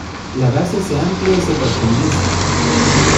La base se amplía y se profundiza.